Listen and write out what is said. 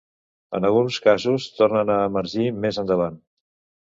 En alguns casos tornen a emergir més endavant.